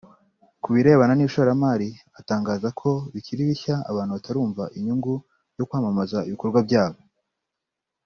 Ku birebana n’ishoramari atangaza ko bikiri bishya abantu batarumva inyungu yo kwamamaza ibikorwa byabo